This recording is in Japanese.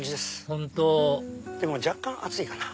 本当でも若干暑いかな。